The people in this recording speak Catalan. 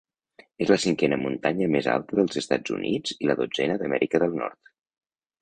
És la cinquena muntanya més alta dels Estats Units i la dotzena d'Amèrica del Nord.